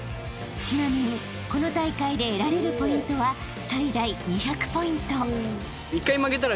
［ちなみにこの大会で得られるポイントは最大２００ポイント］